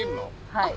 はい。